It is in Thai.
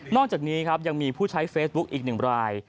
จากนี้ครับยังมีผู้ใช้เฟซบุ๊กอีกหนึ่งราย